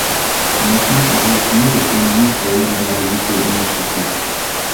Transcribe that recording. У нас нет врагов в мире, кроме низкого уровня развития и нищеты.